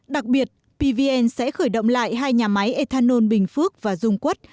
đặc biệt pvn sẽ khởi động lại hai nhà máy ethanol bình phước và dung quất